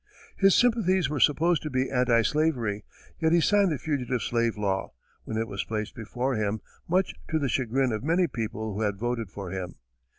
His sympathies were supposed to be anti slavery, yet he signed the Fugitive Slave Law, when it was placed before him, much to the chagrin of many people who had voted for him.